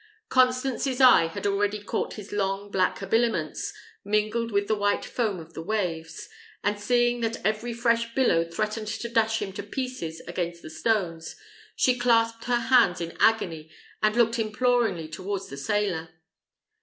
Constance's eye had already caught his long black habiliments, mingled with the white foam of the waves; and seeing that every fresh billow threatened to dash him to pieces against the stones, she clasped her hands in agony, and looked imploringly towards the sailor.